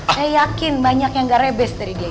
saya yakin banyak yang gak rebes dari dia